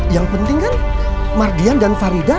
yang penting kan mardian dan farida